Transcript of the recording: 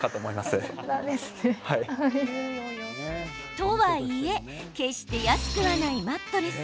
とはいえ決して安くはないマットレス。